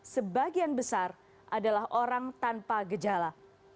sebagian besar adalah orang tanpa gejala